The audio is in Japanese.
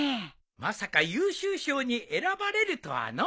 まさか優秀賞に選ばれるとはのう。